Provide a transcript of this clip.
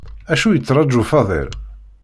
Acu yettṛaju Faḍil?